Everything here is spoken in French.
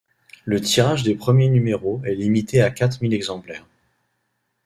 Le tirage des premiers numéros est limité à quatre mille exemplaires.